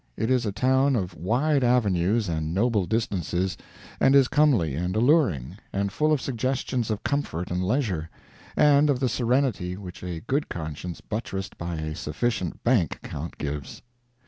It is a town of wide avenues and noble distances, and is comely and alluring, and full of suggestions of comfort and leisure, and of the serenity which a good conscience buttressed by a sufficient bank account gives.